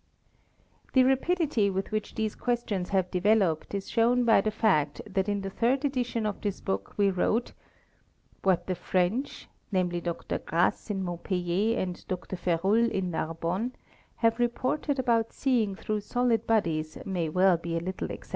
The rapidity with whi these questions have developed is shewn by the fact that in the thire edition of this book we wrote ''what the French (namely Dr. Grasse in Montpellier and Dr. Ferroul in Narbonne) have reported about see through solid bodies may well be a little exaggerated."